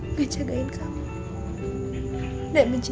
ngejagain kamu dan mencintai kamu terus